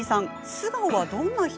素顔はどんな人？